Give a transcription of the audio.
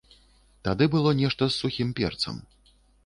Тады было нешта з сухім перцам.